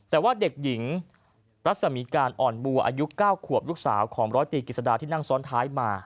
แต่ว่าเด็กหญิงรัศมีการอ่อนบัวอายุ๙ขวบลูกสาวของร้อยตีกิจสดาที่นั่งซ้อนท้ายมา